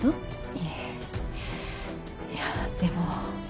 いえいやでも。